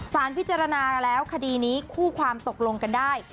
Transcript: สารพิจารณาแล้วคดีนี้คู่ความตกลงกันได้